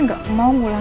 gue gak mau mulai